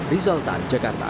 rizal tan jakarta